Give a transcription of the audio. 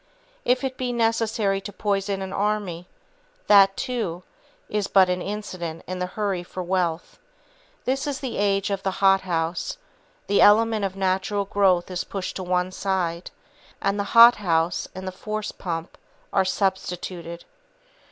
If it be necessary to poison an army, that, too, is but an incident in the hurry for wealth. This is the Age of the Hothouse. The element of natural growth is pushed to one side and the hothouse and the force pump are substituted.